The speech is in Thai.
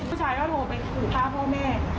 ผู้ชายก็โทรไปขู่ฆ่าพ่อแม่